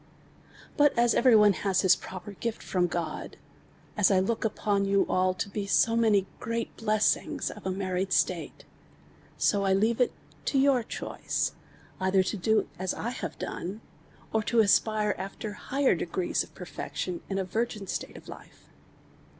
liut as every one has their proper gift from God, as 1 look upon you all to be so many great blessings of a married state; so I leave it to your choice either to do as 1 Iiave done, or to aspire after higher degrees of perfection in a virgin state of life.